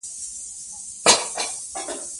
افغانستان کې د وادي لپاره دپرمختیا پروګرامونه شته.